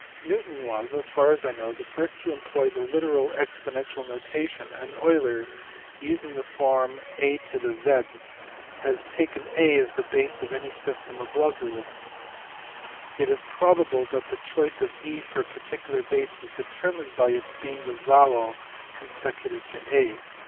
Newton was (as far as I know) the first to employ the literal exponential notation, and Euler, using the form a 2 , had taken a as the base of any system of logarithms : it is probable that the choice of e for a particular base was determined by its being the vowel consecutive to a.